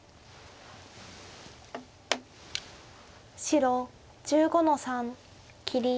白１５の三切り。